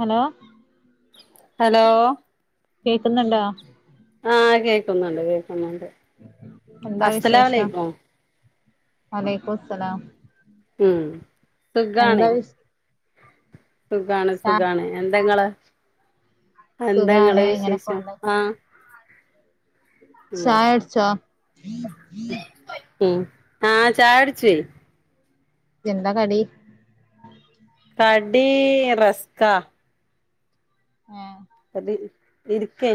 Hello hello കേക്ക്ന്നുണ്ടോ ആഹ് കേക്കുന്നുണ്ട് കേക്കുന്നുണ്ട് എന്താ അസലാമലെയ്ക്കും. വാലേക്കും സലാം. ഉം സുഖാണ്? വിശ് സുഖാണ് ചാ സുഖാണ് എന്താ ഇങ്ങളെ എന്താ ഇങ്ങളെ സുഖാണ് ഇങ്ങനെ വിശേഷം? പോണ് ആഹ് ഉം ചായ കുടിച്ചോ ഉം ആഹ് ചായുടിച്ച്. എന്താ കടി? കടീ റസ്കാ. ഏഹ് അത് ഇരിക്കേ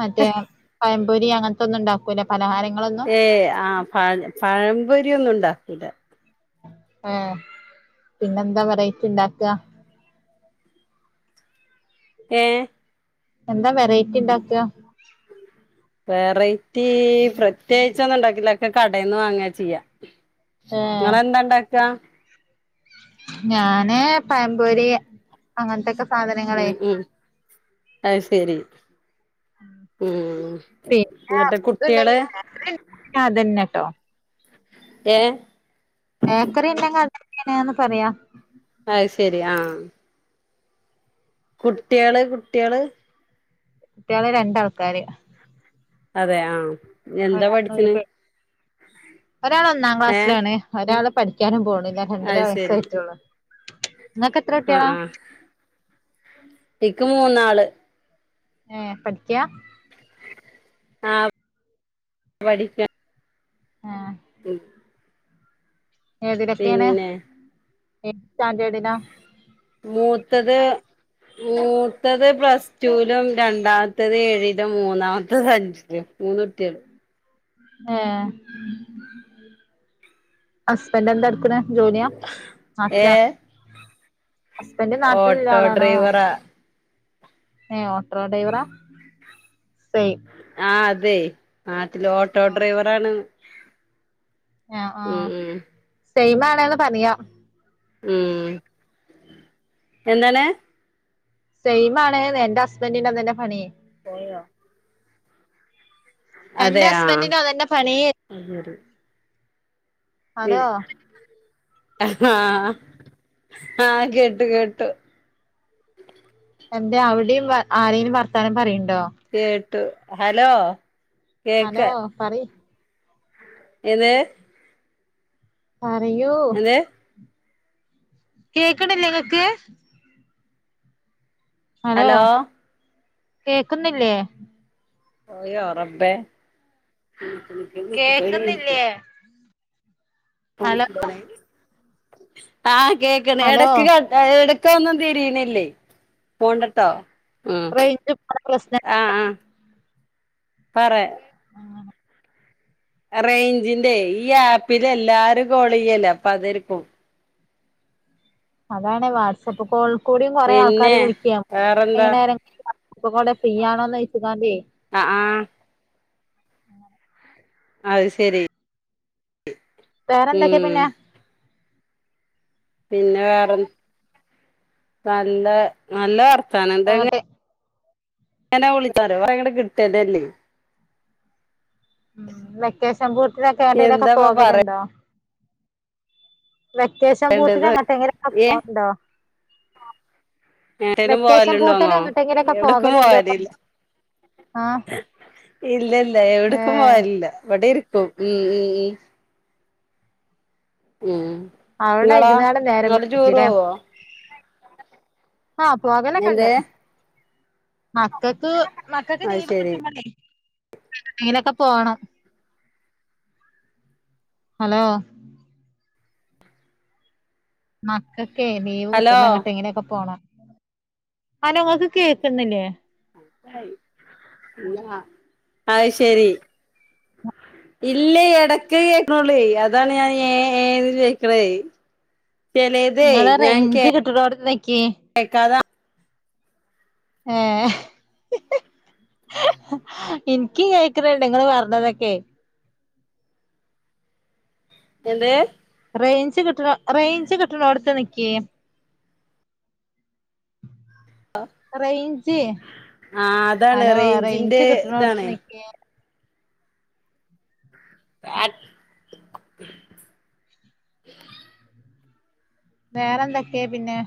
മറ്റേ പഴംപൊരി അങ്ങനത്തെന്നും ഇണ്ടാക്കൂലേ? പലഹാരങ്ങളൊ ഏഹ് ആഹ് പഴ പഴമ്പൊരിയെന്നും ഇണ്ടാക്കൂലാ. ഏഹ് പിന്നെന്താ വെറൈറ്റി ഇണ്ടാക്കാ? ഏഹ് എന്താ വെറൈറ്റി ഇണ്ടാക്കാ? ഉം വെറൈറ്റി പ്രത്യേച്ച് ഒന്നും ഉണ്ടാക്കില്ല ഒക്കെ കടേന്ന് വാങ്ങാ ചെയ്യാ. ഏഹ് നിങ്ങളെന്താ ഇണ്ടാക്കാ? ഞാന് പഴമ്പൊരി അങ്ങനത്തെക്കെ സാധനങ്ങള്. ഉം ഉം അത് ശരി. ഉം പിന്നെ എന്നിട്ട് കുട്ട്യോള് [unintelligible] അതന്നെട്ടോ. ഏഹ് ബേക്കറ്യന്നെ [unintelligible] നേന്ന് പറയാ അയ്ശരി ആഹ് കുട്ട്യള് കുട്ട്യള് കുട്ട്യള് രണ്ടാൾക്കാര്. അതെ ആഹ് എന്താ പഠിച്ച്ണ്? ഒരാള് ഒന്നാം ഏ ക്ലാസ്സിലാണ് ഒരാള് പഠിക്കാനും പോണില്ല രണ്ടര അത് ശരി വയസ്സായിട്ടുള്ളൂ. ഇങ്ങക്ക് എത്ര ആ കുട്ട്യേളാ? ആ എനിക്ക് മൂന്നാള് ഏഹ് പഠിക്ക്യാ? ആഹ് പഠിക്കാ. ഏഹ് ഉം ഏതിലൊക്കെയാണ് പിന്നെ ഏത് സ്റ്റാൻഡേർഡിലാ? മൂത്തത് മൂത്തത് പ്ലസ് ടുവിലും രണ്ടാമത്തത് ഏഴിലും മൂന്നാമത്തത് അഞ്ചിലും. മൂന്നു കുട്ട്യള്. ഏഹ് ഹസ്ബന്റ് എന്താ എടുക്കണ്? ജോലിയാ ഏ നാട്ടിലാ ഹസ്ബൻഡ് നാട്ടിൽ ഇള്ള ഓട്ടോ ആളാണോ? ഡ്രൈവറാ ഏഹ് ഓട്ടോ ഡ്രൈവറാ? സ ആഹ് അതെ നാട്ടില് ഓട്ടോ ആ ഡ്രൈവർ ആണ്. ഏഹ് ആഹ് ഉം സെയിം ആണെന്ന് പറയാ. ഉം എന്താണ്? സെയിം ആണ്ന്ന്‌ എന്റെ ഹസ്ബന്റിനും അതന്നെ പണി. പോയോ? അതേ എന്റെ ആഹ് ഹസ്ബൻഡിനും അതന്നെ പണി [unintelligible] ഹലോ [unintelligible] ആഹ് ആഹ് കേട്ടു കേട്ടു. എന്തേ അവടേം ആരേലും വർത്താനം പറയണ്ടോ? കേട്ടു ഹലോ കേക്ക ഹലോ പറി ഏത് പറയൂ. എന്ത് കേക്ക്ണല്യേ ങ്ങക്ക്? ഹലോ കേക്ന്നില്ല്യേ പോയോ റബ്ബേ കേക്കുന്നില്ലേ [unintelligible] ഹലോ [unintelligible] ആഹ് കേക്കണ് ഹലോ എടക്ക് കട്ട്‌ എലർക്കും ഒന്നും തിരിനില്യേ പോണ്ട്ട്ടോ? ആഹ് റേഞ്ച് പ്രശ്ന ആ ആ പറയ റേഞ്ചിന്റെ ഈ ആപ്പിൽ എല്ലാരും കോള് ചെയ്യല്ലേ അപ്പൊ അതേരിക്കും. അതാണ് വാട്സആപ്പ് കോളിൽ കൂടിം കുറെേ പിന്നെ ആൾക്കാര് വിളിക്ക വേറെന്താ വൈന്നേരം. ഇപ്പൊ കൂടെ ഫ്രീ ആണോന്നോയ്ച്ഗാന്ദ്യേ. ആഹ് ആ. അത് ശരി. വേറെ എന്തൊക്കെ ഉം പിന്നെ? പിന്നെ വേറെ നല്ല നല്ല വർതാനം [unintelligible] തന്നെ എങ്ങട്ട് ങ്ങനാ വിളിച്ചാറ് [unintelligible] ഭയങ്ക കിട്ടിയതല്ലേ. ഉ വെക്കേഷൻ പൂട്ടിലൊക്കെ എടേലൊക്കെ എന്താപ്പ പോകല് പറ ണ്ടോ? വെക്കേഷൻ പൂട്ടില് എങ്ങട്ടെങ്കിലൊക്കെ ഏ പോൺണ്ടോ? എവടേലും പോവലുണ്ടോന്നോ പൂട്ടില് എങ്ങട്ടെങ്കിലൊക്കെ എവിടേക്കും പോവലില്ല. പോകലുണ്ടോന്ന് ആഹ് ഇല്ല ഇല്ല എവിടക്കും ഏഹ് പോവവില്ല ഇവിടെ ഇരിക്കും ഉം ഉം.. ഉം അവിടെ ങ്ങളാ ഇരുന്നാലും നേരം നിങ്ങള് ടൂർ പോവോ? ആ എന്ത് പോകലക്കെണ്ട് മക്കക്ക് മക്കക്ക് അത് ലീവ് ശരി കിട്ടുമ്പലേ. എവിടെങ്കിലുക്കെ പോണം ഹലോ? മക്കക്കെ ലീവ് ഹലോ കിട്ടുമ്പോ എങ്ങട്ടെങ്കിലുഒക്കെ പോണം. ആന് ഇങ്ങക്ക് കേക്കുന്നില്ലേ? ഹയ് ഇല്ലാ അയ്ശരി. ഇല്ലേ ഇടക്ക് കേക്ക്ണുള്ളെ അതാണ് ഞാൻ ഏ ഏന്ന് കേക്കണേ ചെലേയിതെ നിങ്ങള് ഞാൻ കേ റേഞ്ച് കിട്ടണോടത്ത് നിക്കി കേക്കാത ഏഹ് ഹ് എനിക്ക് കേക്കണുണ്ട് നിങ്ങള് പറഞ്ഞതൊക്കെ? എന്ത്? റേഞ്ച് കിട്ടണ റേഞ്ച് കിട്ടണോടുത്ത് നിക്ക്- റേഞ്ച് ആ അതാണ് ഹലോ റേഞ്ച് റേഞ്ചിന്റെ കിട്ടണോടുത്ത് ഇതാണ് നിക്ക്. [unintelligible] വേറെന്തക്കെയ പിന്നെ?